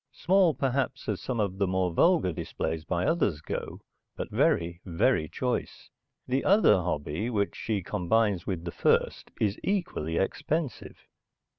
Small, perhaps, as some of the more vulgar displays by others go, but very, very choice. The other hobby, which she combines with the first, is equally expensive.